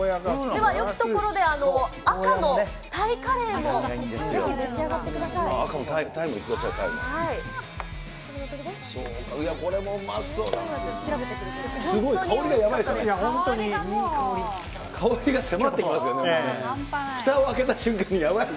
ではよきところで、赤のタイカレーもぜひ召し上がってください。